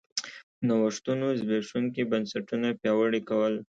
نوښتونو زبېښونکي بنسټونه پیاوړي کول